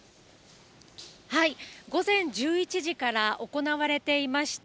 午前１１時から行われていました